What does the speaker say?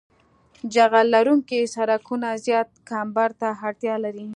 جغل لرونکي سرکونه زیات کمبر ته اړتیا لري